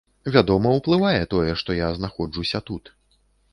Вядома, уплывае тое, што я знаходжуся тут.